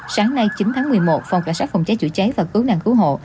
sáng nay chín tháng một mươi một phòng cảnh sát phòng cháy chữa cháy và cứu nạn cứu hộ